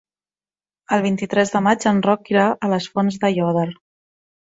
El vint-i-tres de maig en Roc irà a les Fonts d'Aiòder.